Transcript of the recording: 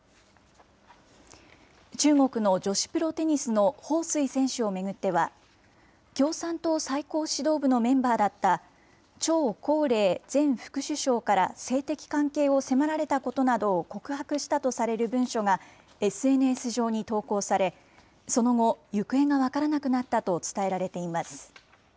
中国の女子プロテニスの彭帥選手を巡っては、共産党最高指導部のメンバーだった張高麗前副首相から性的関係を迫られたことなどを告白したとされる文書が、ＳＮＳ上に投稿され、その後、行方が分からなくなったと伝えられています。